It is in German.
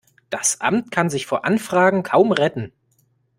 Das Amt kann sich vor Anfragen kaum retten.